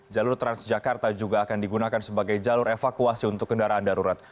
jalur transjakarta juga akan digunakan sebagai jalur evakuasi untuk kendaraan darurat